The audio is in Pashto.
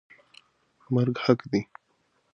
مرګ حق دی.